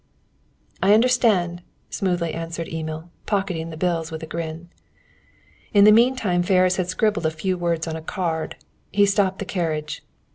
"I understand," smoothly answered Emil, pocketing the bills with a grin. In the meantime Ferris had scribbled a few words on a card. He stopped the carriage.